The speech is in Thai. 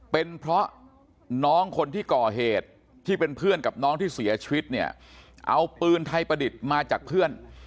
เป็นเพราะน้องคนที่ก่อเหตุที่เป็นเพื่อนกับน้องที่เสียชีวิตเนี่ยเอาปืนไทยประดิษฐ์มาจากเพื่อน